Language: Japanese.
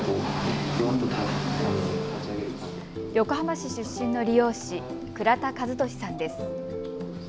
横浜市出身の理容師、倉田和俊さんです。